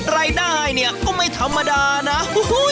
รายได้ก็ไม่ธรรมดานะโอ้โฮ